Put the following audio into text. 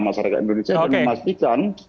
masyarakat indonesia dan memastikan